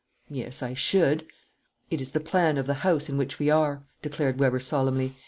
"Yes, I should." "It is the plan of the house in which we are," declared Weber solemnly.